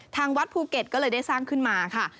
ทางวัดภูเก็ตก็เลยได้สร้างขึ้นมาค่ะ